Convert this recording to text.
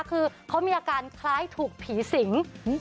คือเขามีอาการคล้ายถูกผีสิง